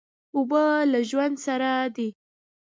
اوبه له ژوند سره دي.